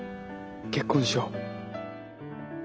結婚しよう。